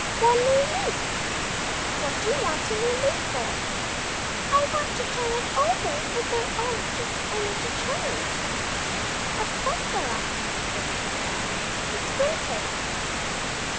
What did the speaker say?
"One new leaf." "What do you want of a new leaf?" "I want to turn it over, but there just aren't any to turn." "Of course there aren't!" said Little Dog. "It is winter."